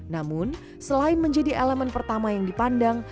namun selain menjadi elemen pertama yang dipandang